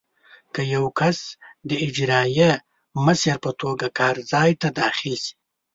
که یو کس د اجرایي مشر په توګه کار ځای ته داخل شي.